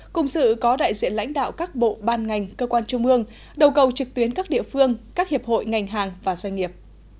cùng sự có đại diện lãnh đạo các bộ ban ngành cơ quan trung ương đầu cầu trực tuyến các địa phương các hiệp hội ngành hàng và doanh nghiệp